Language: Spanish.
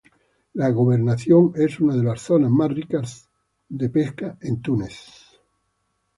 La gobernación es una de las zonas más ricas zonas de pesca en Túnez.